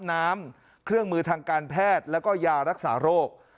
น้ำเครื่องมือทางการแพทย์แล้วก็ยารักษาโรค